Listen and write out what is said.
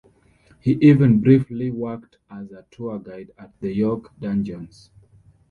He even briefly worked as a tour guide at the York dungeons.